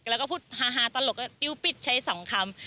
แล้วก็พูดฮาตลกติ๊วปิดใช้สองคำ